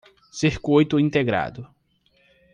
Circuito integrado